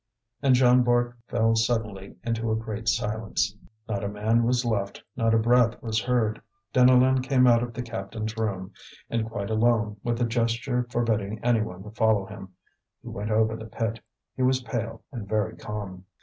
And Jean Bart fell suddenly into a great silence. Not a man was left, not a breath was heard. Deneulin came out of the captains' room, and quite alone, with a gesture forbidding any one to follow him, he went over the pit. He was pale and very calm.